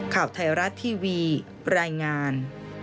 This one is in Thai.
ข่าวไทยรัฐทีวีรายงาน